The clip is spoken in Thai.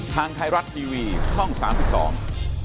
ทางไทยรัฐทีวีช่อง๓๒